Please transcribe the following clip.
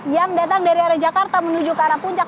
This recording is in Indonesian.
yang datang dari arah jakarta menuju ke arah puncak